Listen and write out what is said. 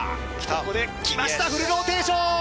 ここできましたフルローテーション。